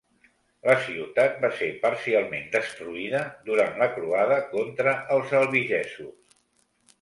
La ciutat va ser parcialment destruïda durant la Croada contra els albigesos.